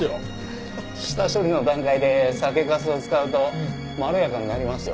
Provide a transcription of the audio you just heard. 下処理の段階で酒粕を使うとまろやかになりますよ。